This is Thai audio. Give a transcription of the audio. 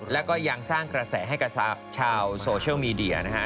แล้วก็ยังสร้างกระแสให้กับชาวโซเชียลมีเดียนะฮะ